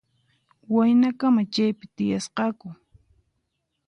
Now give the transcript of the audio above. Waynakama chaypi tiyasqaku.